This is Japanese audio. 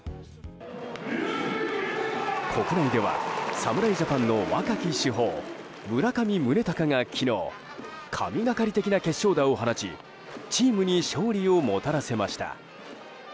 国内では侍ジャパンの若き主砲村上宗隆が昨日、神がかり的な決勝打を放ちチームに勝利をもたらせました。